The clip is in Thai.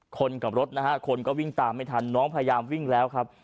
คนกับรถนะฮะคนก็วิ่งตามไม่ทันน้องพยายามวิ่งแล้วครับ